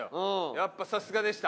やっぱさすがでした。